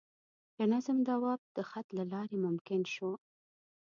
د نظم دوام د خط له لارې ممکن شو.